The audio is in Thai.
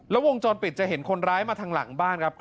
แล้ววงจรปิดจะเห็นคนร้ายมาทางหลังบ้านครับ